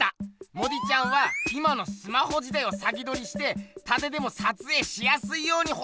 モディちゃんは今のスマホ時代を先どりしてたてでもさつえいしやすいように細長くした。